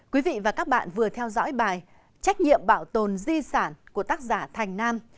quý vị và các bạn vừa theo dõi bài trách nhiệm bảo tồn di sản của tác giả thành nam